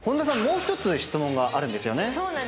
もう１つ質問があるんですよね。